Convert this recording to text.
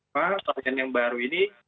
varian yang baru ini